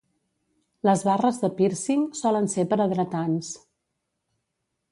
Les barres de pírcing solen ser per a dretans.